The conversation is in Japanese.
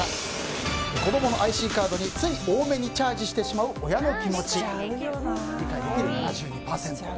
子供のＩＣカードについチャージしてしまう親の気持ち、理解できる７２％。